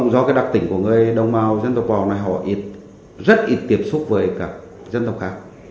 do đặc tỉnh của người đông mau dân tộc bò này họ rất ít tiếp xúc với các dân tộc khác